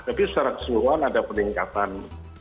tapi secara keseluruhan ada peningkatan